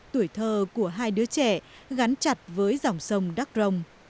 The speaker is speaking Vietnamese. tuổi thơ của hai đứa trẻ gắn chặt với dòng sông đắk rồng